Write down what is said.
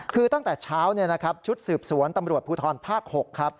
คือตั้งแต่เช้าชุดสืบสวนตำรวจภูทรภาค๖ครับ